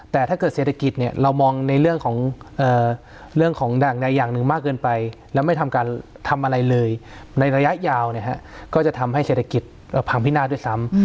แต่ถ้าเกิดเศรษฐกิจเนี่ยเรามองในเรื่องของอย่างใดอย่างหนึ่งมากเกินไปแล้วไม่ทำการทำอะไรเลยในระยะยาวก็จะทำให้เศรษฐกิจพังพินาศด้วยซ้ำ